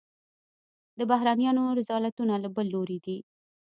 د بهرنیانو رذالتونه له بل لوري دي.